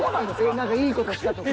何かいい事したとか。